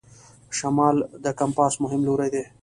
شمال د کمپاس مهم لوری دی.